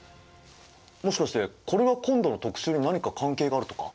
もしかしてこれが今度の特集に何か関係があるとか？